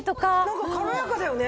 なんか軽やかだよね。